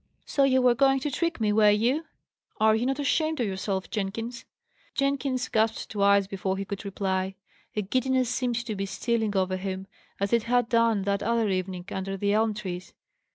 "So you were going to trick me, were you! Are you not ashamed of yourself, Jenkins?" Jenkins gasped twice before he could reply. A giddiness seemed to be stealing over him, as it had done that other evening, under the elm trees.